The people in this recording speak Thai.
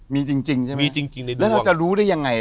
มีจริงใช่ไหมมีจริงในดวงแล้วเราจะรู้ได้ยังไง